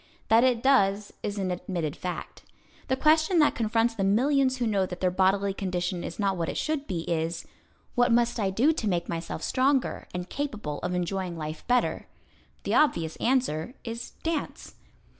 That it does is an admitted fact. The question that confronts the millions who know that their bodily condition is not what it should be is: "What must I do to make myself stronger, and capable of enjoying life better?" The obvious answer is: "Dance."